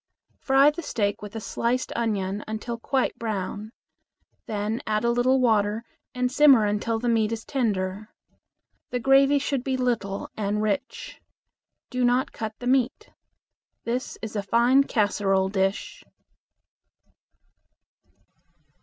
Fry the steak with a sliced onion until quite brown. Then add a little water and simmer until the meat is tender. The gravy should be little and rich. Do not cut the meat. This is a fine casserole dish.